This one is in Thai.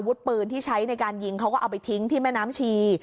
ปืนที่ใช้ในการยิงเขาก็เอาไปทิ้งที่แม่น้ำชี